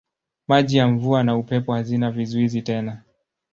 Maji ya mvua na upepo hazina vizuizi tena.